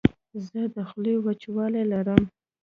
زه د خولې وچوالی لرم.